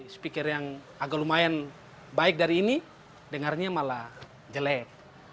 speaker yang agak lumayan baik dari ini dengarnya malah jelek